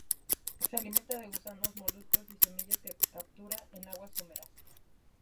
Se alimenta de gusanos, moluscos y semillas, que captura en aguas someras.